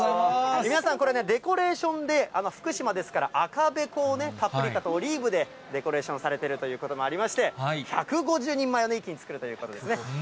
皆さんこれね、デコレーションで、福島ですから、赤べこを、パプリカとオリーブでデコレーションされているということもありまして、１５０人前を一気に作るということですね。